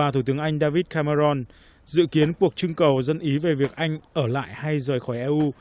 thủ tướng anh david cameron dự kiến cuộc trưng cầu dân ý về việc anh ở lại hay rời khỏi eu